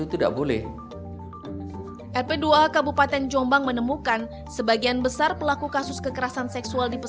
jadi kekuasaan zurjanta pun kekuncian banyak sekali